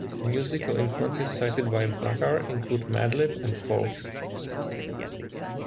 Musical influences cited by Bakar include Madlib and Foals.